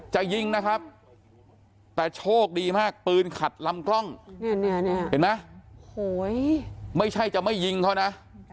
จะยิงนะครับแต่โชคดีมากปืนขัดลำกล้องเห็นไหมไม่ใช่จะไม่ยิงเขานะ